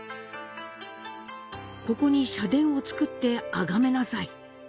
ここに社殿を造ってあがめなさい」